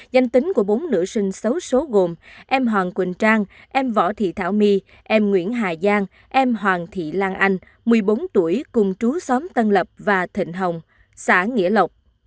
danh tính của bốn nữ sinh xấu số gồm em hoàng quỳnh trang em võ thị thảo my em nguyễn hà giang em hoàng thị lan anh một mươi bốn tuổi cùng trú xóm tân lập và thịnh hồng xã nghĩa lộc